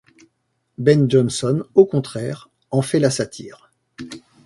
Ben Jonson, au contraire, en fait la satire.